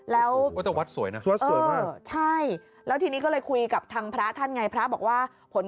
แล้วใช่แล้วทีนี้ก็เลยคุยกับทางพระท่านไงพระบอกว่า